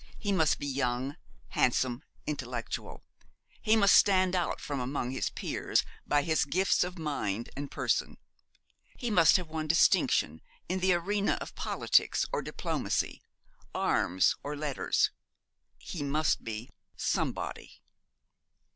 He must be young, handsome, intellectual. He must stand out from among his peers by his gifts of mind and person. He must have won distinction in the arena of politics or diplomacy, arms or letters. He must be 'somebody.'